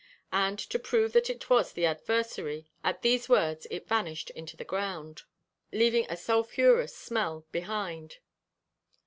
And to prove that it was the adversary, at these words it vanished into the ground, leaving a sulphurous smell behind.